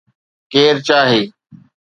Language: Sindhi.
ڪير چاهي